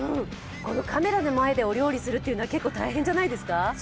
カメラの前でお料理するって大変じゃないですか？